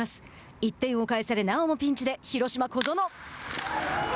１点を返されなおもピンチで広島、小園。